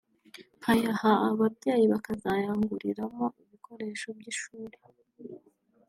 nkayaha ababyeyi bakazayanguriramo ibikoresho by’ishuri